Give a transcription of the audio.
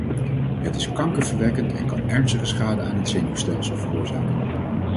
Het is kankerverwekkend en kan ernstige schade aan het zenuwstelsel veroorzaken.